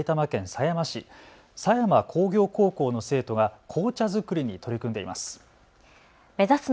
狭山工業高校の生徒が紅茶作りに取り組んでいます。